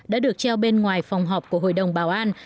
đã được treo bên ngoài phòng họp của hội đồng bảo an